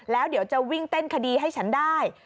แล้วเดี๋ยวจะวิ่งเต้นคดีให้ฉันได้